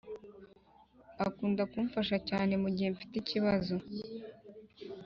akunda kumfasha cyne mu gihe mfite ikibazo